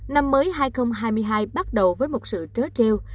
năm mới hai nghìn hai mươi hai bắt đầu với một sự trớ treo